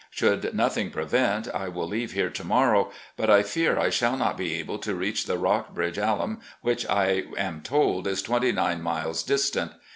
Should nothing prevent, I will leave here to morrow, but I fear I shall not be able to reach the Rockbridge Alum, which I am told is twenty nine miles distant.